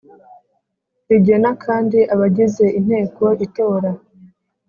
Rigena kandi abagize inteko itora